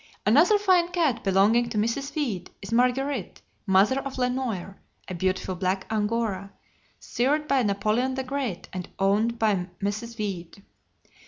Another fine cat belonging to Mrs. Weed, is Marguerite, mother of Le Noir, a beautiful black Angora, sired by Napoleon the Great and owned by Mrs. Weed.